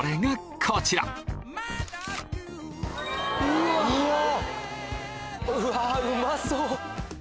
うわうまそう！